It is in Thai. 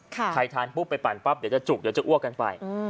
ใครทานปุ๊บไปปั่นปั๊บเดี๋ยวจะจุกเดี๋ยวจะอ้วกกันไป